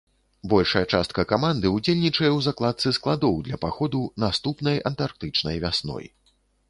Большая частка каманды ўдзельнічае ў закладцы складоў для паходу наступнай антарктычнай вясной.